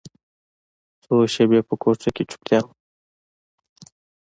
څو شېبې په کوټه کښې چوپتيا وه.